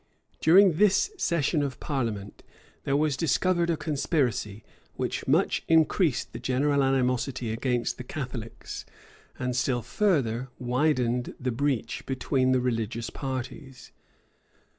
During this session of parliament, there was discovered a conspiracy, which much increased the general animosity against the Catholics, and still further widened the breach between the religious parties.